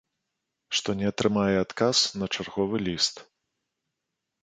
Што не атрымае адказ на чарговы ліст.